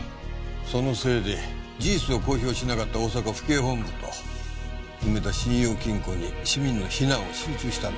そのせいで事実を公表しなかった大阪府警本部と梅田信用金庫に市民の非難は集中したんだ。